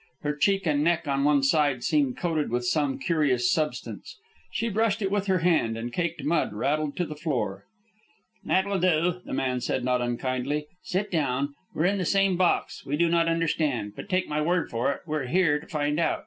Her cheek and neck on one side seemed coated with some curious substance. She brushed it with her hand, and caked mud rattled to the floor. "That will do," the man said, not unkindly. "Sit down. We're in the same box. We do not understand. But take my word for it, we're here to find out.